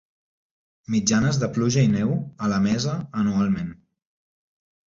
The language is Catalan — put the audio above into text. Mitjanes de pluja i neu a Lamesa anualment.